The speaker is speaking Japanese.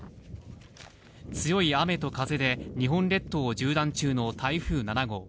強い雨と風で、日本列島を縦断中の台風７号。